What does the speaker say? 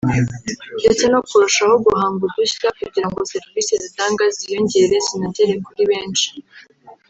ndetse no kurushaho guhanga udushya kugira ngo serivisi dutanga ziyongere zinagera kuri benshi